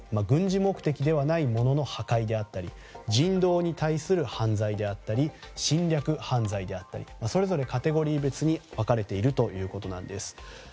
軍事目的ではないものの破壊であったり人道に対する犯罪であったり侵略犯罪であったりそれぞれカテゴリー別に分かれているということです。